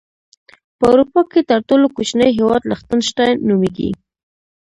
په اروپا کې تر ټولو کوچنی هیواد لختن شټاين نوميږي.